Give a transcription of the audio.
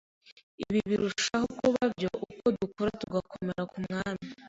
Ibi birushaho kuba byo uko dukura tugakomera mu Mwami